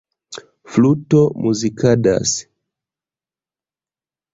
Fluto Muzikadas.